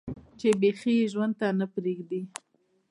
چې بيخي ئې ژوند ته نۀ پرېږدي